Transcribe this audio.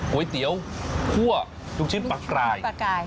ก๋วยเตี๋ยวคั่วลูกชิ้นปลากราย